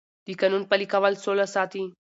د قانون پلي کول سوله ساتي